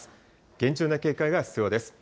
厳重な警戒が必要です。